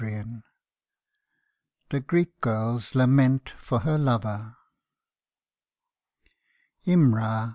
209 THE GREEK GIRKS LAMENT FOR HER LOVER. IMRA